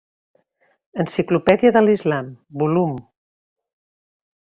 Enciclopèdia de l'Islam, vol.